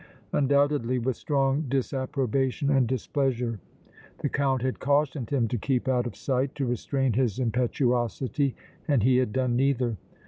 Undoubtedly with strong disapprobation and displeasure. The Count had cautioned him to keep out of sight, to restrain his impetuosity, and he had done neither.